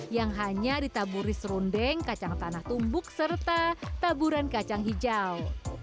yang hanya ditaburi serundeng kacang tanah tumbuk serta taburan kacang hijau